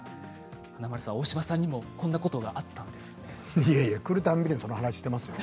華丸さん、大島さんにもこんなことがあったんですね。